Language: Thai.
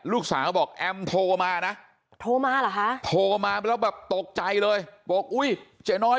ลูกสาวบอกแอมโทรมานะโทรมาแล้วแบบตกใจเลยบอกอุ้ยเจน้อย